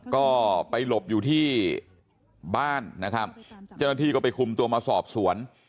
ก็ไปหลบอยู่ที่บ้านนะครับเจ้าหน้าที่ก็ไปคุมตัวมาสอบสวน